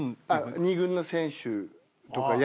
２軍の選手とか野球を。